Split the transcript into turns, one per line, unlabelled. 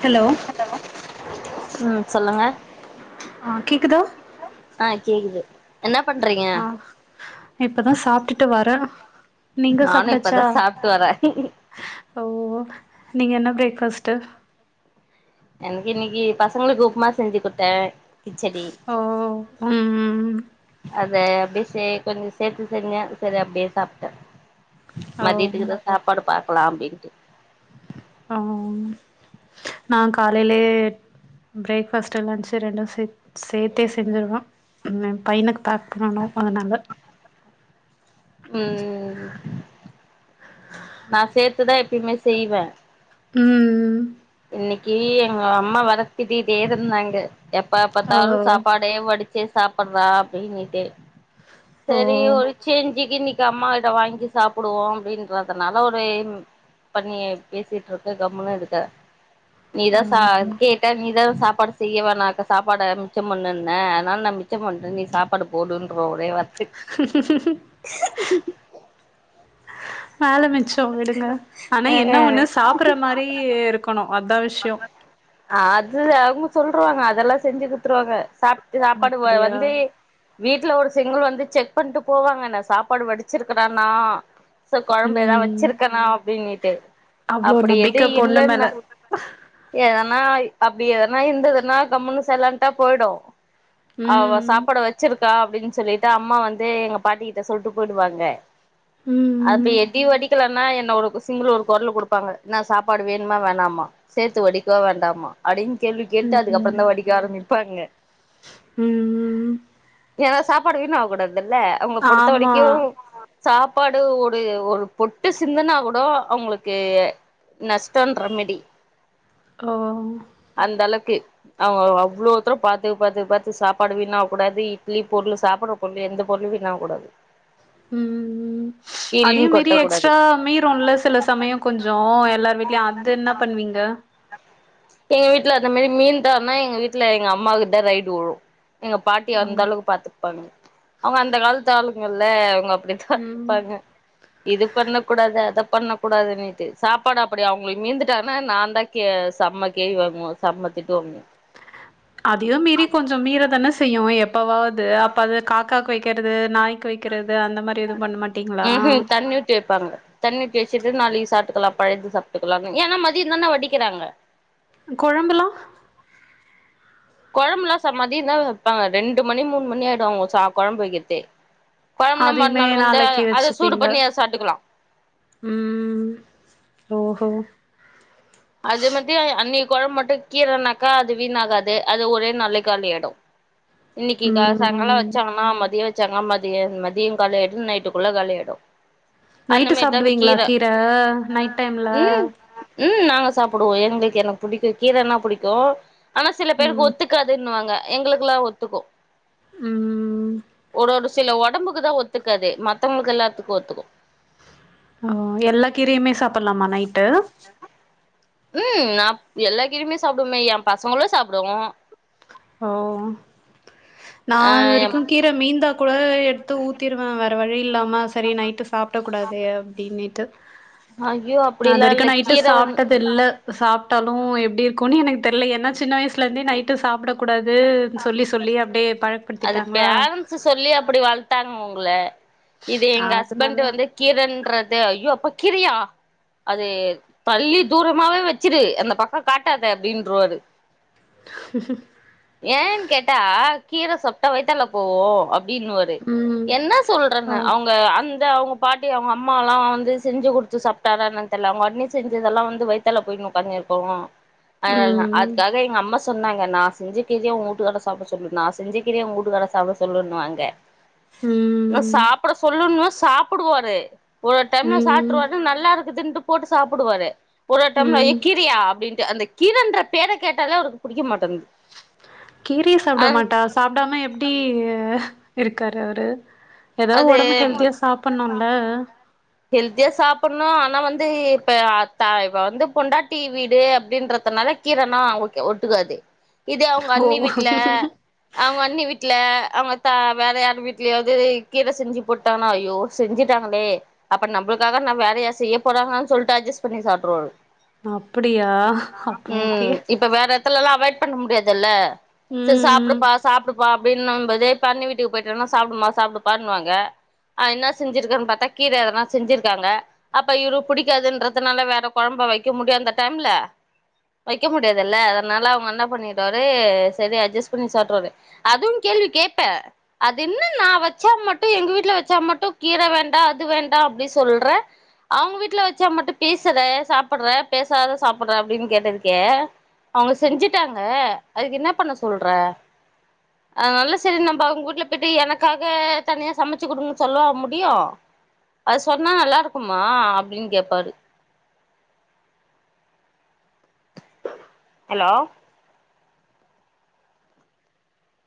Hello
hello ம் சொல்லுங்க
ஆ கேக்குதா
ஆ கேக்குது என்னா பண்றீங்க
ஆ இப்பதா சாப்ட்டுட்டு வர
நானு இப்பதா சாப்ட்டு வர
ஓ நீங்க என்ன பிரேக்ஃபாஸ்ட்டு
எனக்கு இன்னைக்கு பசங்களுக்கு உப்மா செஞ்சு கொடுத்த கிச்சடி
ஓ ம் ம்
அத அப்டியே சே கொஞ்சோ சேத்து செஞ்ச சேரி அப்டியே சாப்ட்ட
ஓ
மதியத்துக்கு தா சாப்பாடு பாக்கலா அப்டின்ட்டு
ஆ நா காலையிலேயே பிரேக்ஃபாஸ்ட்டு லன்ச்சு ரெண்டு சேத் சேத்தே செஞ்சுடுவோ ஏனா பையனுக்கு பேக் பண்ணணு அதனால
ம் ம் நா சேத்துதா எப்பயுமே செய்வ
ம் ம்
இன்னிக்கி எங்க அம்மா வேற திட்டிட்டே இருந்தாங்க எப்பா
ஓ
பாத்தாலு சாப்பாடே வடிச்சே சாப்படுற அப்டினீட்டு
ஓ
சரி ஒரு சேஞ்சுக்கு இன்னிக் ச அம்மா கிட்ட வாங்கி சாப்புடுவோ அப்டின்றதுனால ஒரு எய்ம் பண்ணியே பேசிட்டு இருக்கு கம்முன்னு இருக்க நீதா ச
ஆமா
கே ட்ட நீதான சாப்பாடு செய்யவேணாக்க சாப்பாட மிச்சம் பண்ணுன்ன அதனால நா மிச்ச பண்ற நீ சாப் பாடு போடுன்றுவ ஒரே வார்த்தி
வேல மிச் சோ விடுங்க ஆனா
ம்
என்ன
ம்
ஒண்ணு சாப்பற மாறி இருக்கணு அதா விஷ்யோ
அது அவுங்க சொல்ருவாங்க அதெல்லா செஞ்சு குடுத்துருவாங்க சாப்ட் சாப்பாடு வ
அப்டியா
வந்து வீட்டுல ஒரு செங்கல் வந்து செக் பண்ணிட்டு போவாங்க நா சாப்பாடு வடிச்சிருக்கறனா சோ கொழம்பு ஏதாவது
ம்
வச்சிரு க்கனா அப்டின்னிட்டு
அவ்ளோ
அப்டி
நம்பிக்க
எது
பொண்ணு மேல
இல்லன்னா எதனா அப்டி எதனா இருந்ததுன்னா கம்முன்னு சைல்லன்ட்டா போயிடு அவ
ம்
சாப்பாடு வச்சிருக்கா அப்டின்னு சொல்லிட்டு அம்மா வந்து எங்க பாட்டி கிட்ட சொல்ட்டு போயிடுவாங்க அப்டி
ம்
எதியு வடிக்கல னா என்ன ஒர்க்கு சிங்கிள் ஒரு கொரலு குடுப்பாங்க என்னா சாப்பாடு வேணுமா வேணாமா சேத்து வடிக்கவா வேண்டாமா அப்டின்னு கேள்வி கேட்டு
ம்
அதுக்கப்புறந்தா வடிக்க ஆரம்பிப்பாங்க
ம்
ஏனா சாப்பாடு வீண் ஆவ கூடாதுல்ல அவுங்க பொறுத்த
ஆமா
வரைக்கு சாப்பாடு ஒரு ஒரு பொட் டு சிந்தனா கூடு அவுங்களுக்கு நஷ்டோன்ற மாறி
ஓ
அந்த அளக்கு அவுங்க அவ்ளோ ஒருத்தரு பாத்து பாத்து பாத்து சாப்பாடு வீணாவக் கூடாது இட்லி பொருள் சாப்பிட்ற பொருளு எந்த பொருளு வீணாவக் கூடாது
ம் ம்
கீழயு
அதையும் மீறி
கொட்டக்கூடாது
எக்ஸ்ட்ரா மீறுல சில சமயம் கொஞ்சோ எல்லார் வீட்லயு அது என்னா பண்ணுவீங்க
எங்க வீட்ல அந்த மாரி மீந்தாற்னா எங்க வீட்ல எங்க அம்மாவுக்கு தா ரைடு உழு எங்க பாட்டி அந்த அளவு பாத்துப்பாங்க அவுங்க அந்த காலத்து ஆளுங்க இல்ல அவுங் அப்டிதா
ம்
ப்பாங்க இது பண்ண கூடாது அத பண்ண கூடாதுன்னுட்டு சாப்பாடு அப்டி அவங்களுக்கு மீந்துட்டானா நா தா கே செம்ம கேள்வி வாங்குவ செம்மத் திட்டு வாங்குவே
அதையு மீறி கொஞ்சம் மீற தானே செய்யு எப்பவாவது அப்ப அத கா காக்கு வக்கிறது நாய்க்கு வக்கிறது அந்த மாரி எதுவு பண்ண மாட்டீங்களா
ம் ஹும் தண்ணி ஊத்தி வப்பாங்க தண்ணி ஊத்தி வச்சுட்டு நாளைக்கு சாப்ட்டுக்கலா பழையது சாப்ட்டுக்கலாம்னு ஏனா மதியம் தானே வடிக்கிறாங்க
கொழம்புல்லா
கொழம்புல்லா ச மதிய தா வப்பாங்க ரெண்டு மணி மூணு மணி ஆயிடு அவங்க சா கொழம்பு வக்கிறதே கொழம்புன்னா மறு
அதையுமே
நாள் வந்து
நாளைக்கு
அத சூடு
வச்சுப்பீங்க
பண்ணி அத சாட்டுக்கலா
ம் ஓஹோ
அது மட்டுஅன்னைக்கு கொழம்பு மட்டு கீரைன்னாக்கா அது வீணாகாது அது ஒரே நாள்லே காலி ஆயிடு இன்னைக்கு கா சாங்கால
ம்
வச்சாங்கன்னா மதியம் வச்சாங்க மதியம் மதியம் காலியாயிடு நைட்டுக்குள்ள காலியாயிடு அந்த
நைட்டு
மாரிதா
சாப்பிடுவீங்களா கீர நைட் டைம்ல
ம் ம் நாங்க சாப்புடுவோ எங்களுக்கு என்ன புடிக்கு கீரன்னா புடிக்கு ஆனா சில பேருக்கு
ம்
ஒத்துக் காதுன்னுவாங்க எங்களுக்கெல்லா ஒத்துக்கு
ம்
ஒரு ஒரு சில ஒடம்புக்கு தா ஒத்துக்காது மத்தவுங்களுக்கு எல்லாத்துக்கு ஒத்துக்கு
அ எல்லா கீரையுமே சாப்ட்லாமா நைட்டு
ம் நா எல்லா கீரயுமே சாப்பிடுவோமே என் பசங்களு சாப்பிடுவோ
ஓ நா
ஆ எ
இதுவரைக்கு கீ கீர மீந்தா கூட எத்து ஊத்திருவே வேற வழி இல்லாம சரி நைட்டு சாப்டக் கூடாதே அப்டினிட்டு
ஐயோ
நா
அப்டிலா
இதுவரைக்கு
இல்ல
நைட்டு
கீர வந்
சாப்ட்டது இல்ல சாப்பிட்டாலு எப்படி இருக்குனு எனக்கு தெரில ஏனா சின்ன வயசுல இருந்தே நைட்டு சாப்பிட கூடாது சொல்லி சொல்லி அப்டியே பழக்க படுத்திட்
அது பேரண்ட்ஸ் சொல்லி அப்டி வளத்தாங்க உங்கள இது எங்க
அதனால
ஹஸ்பண்ட் வந்து கீரன்றது ஐயோ அப்பா கீரையா அது பள்ளி தூரமாவே வச்சுரு அந்த பக்கம் காட்டாத அப்டின்ருவாரு
உ [inaudible]
ஏன்னு கேட்டா கீர சாப்டா வயித்தால போகு அப்டின்னு வாரு
ம்
என்ன சொல்றேன்னு
ஓ
அவுங்க அந்த அவுங்க பாட்டி அவுங்க அம்மால்லா வந்து செஞ்சு குடுத்து சாப் டாரா என்னனு தெர்ல அவுங்க அண்ணி செஞ்சதெல்லா வந்து வயித்தால போய்னு ஒக்காஞ்ஜிருக்கு அ
ம்
அதுக்காக எங்க அம்மா சொன்னாங்க நா செஞ்சு கீரய உங்க வூட்டுக்காரர சாப்பிட சொல்லு நா செஞ்ச கீரைய உங்க வூட்டுக்காரர சாப்பிட சொல்லனு வாங்க
ம்
இன்னும் சாப்பிட சொல்லுன்னு சாப்பிடுவாரு ஒரு ஒரு டைம்ல
ம்.
சாப்பிட்ருவாரு நல்லா இருக் இதுண்டு போட்டு சாப்பிடுவாரு ஒரு ஒரு டைம்ல
ம்.
ஏ கீரய்யா அப்டின்ட்டு அந்தக் கீரன்ற பேர கேட்டாலே அவருக்கு புடிக்க மாட்டேன்து
கீரய சாப்ட மாட்டா சாப்டாம எப்டி இருக்காரு அவரு ஏதாவது ஒடம்பு
அது
ஹெல்தியா சாப்பிட்னூ இல்ல
ஹெல்தியா சாப்பட்னூ ஆனா வந்து இப்ப ‌அ தா இப்ப வந்து பொண்டாட் டி வீடு அப்படின்றதுனால கீரனா ஓகே ஒத்துக்காது இதே அவுங்க
ஓ!
அண்ணி வீட்ல அவங்க அண்ணி வீட்ல அவங்க தா வேற யாரு வீட்டிலியாவது கீர செஞ்சு போட்டாங்கனா ஐயோ செஞ்சுட்டாங்களே அப்ப நம்புளுக்காக நா வேறயா செய்ய போறாங்கன்னு சொல்ட்டு அடஜஸ் பண்ணி சாப்ட்டுவாரு
அப்படியா அப்ப ஓகே
ம் இப்ப வேற எடத்துலல்லாம் அவாய்ட் பண்ண முடியாதுல்ல சரி
ம்.
சாப்பிடுப்பா சாப்பிடுப்பா அப்படின்னும் போது இப்ப அண்ணி வீட்டுக்கு போயிட்டோம்னா சாப்பிடுமா சாப்பிடுப்பான்னுவாங்க அ என்ன செஞ்சிருக்கார்ன்னு பார்த்தா கீர இதெல்லா செஞ்சிருக்காங்க அப்ப இவரு புடிக்காதுன்றதுனால வேற கொழம்ப வைக்க முடியும் அந்த டைம்ல வைக்க முடியாதுல்ல அதனால அவுங்க என்ன பண்ணிடுவாரு சரி அட்ஜஸ்ட் பண்ணி சாப்ட்டுறவாரு அதுவூம் கேள்வி கேட்பேன் அது என்ன நா வெச் சா மட்டும் எங்க வீட்டுல வெச்சா மட்டும் கீர வேண்டா அது வேண்டா அப்டி சொல்ற அவுங்க வீட்ல வெச்சா மட்டு பேசுற சாப்பட்ற பேசாத சாப்ட்ற அப்டின்னு கேட்டதுக்கு அவுங்க செஞ்சுட்டாங்க அதுக்கு என்ன பண்ண சொல்ற அதனால சரி நம்ம அவுங்க வீட்ல போயி்ட்டு எனக்காக தனியா சமைச்சு குடுங்கன்னு சொல்லவ முடியும் அது சொன்னா நல்லா இருக்குமா அப்டின்னு கேட்பாரு ஹலோ